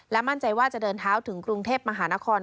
มั่นใจว่าจะเดินเท้าถึงกรุงเทพมหานคร